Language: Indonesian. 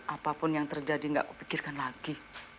apapun yang terjadi gak kupikirkan lagi